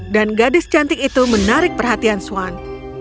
dan gadis cantik itu menarik perhatian swan